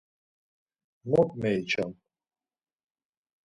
Mot meiçam!